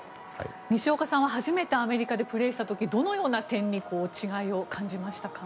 西岡さんは初めてアメリカでプレーした時どのような点に違いを感じましたか？